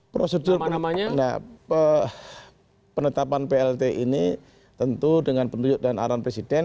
prosedur penetapan plt ini tentu dengan penunjuk dan arahan presiden